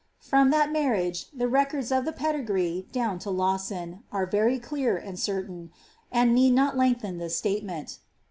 — From that marriage, the re cords of the pedigree, down to Lawson, are very clear and certain, and need not lengthen this statement.